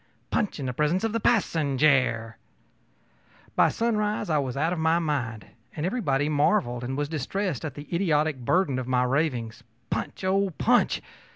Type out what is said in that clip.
punch in the presence of the passenjare.ö By sunrise I was out of my mind, and everybody marveled and was distressed at the idiotic burden of my ravings ōPunch! oh, punch!